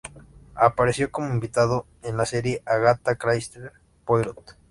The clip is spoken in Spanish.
Apareció como invitado en la serie "Agatha Christie's Poirot".